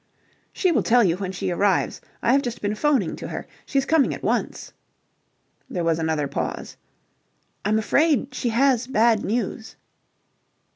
"She will tell you when she arrives. I have just been 'phoning to her. She is coming at once." There was another pause. "I'm afraid she has bad news."